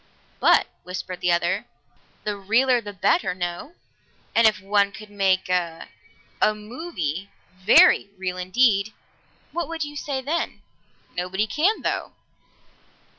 "But," whispered the other, "the realer the better, no? And if one could make a a movie very real indeed, what would you say then?" "Nobody can, though."